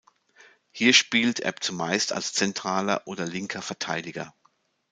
Hier spielt er zumeist als zentraler oder linker Verteidiger.